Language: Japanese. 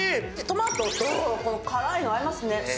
トマトと辛いの合いますね。